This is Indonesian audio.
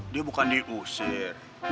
dia bukan diusir